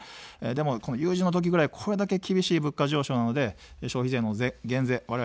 でも、有事の時ぐらい、これだけ厳しい物価上昇なので、消費税の減税、われわれ掲げています。